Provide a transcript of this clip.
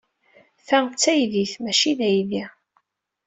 Ta d taydit, maci d aydi.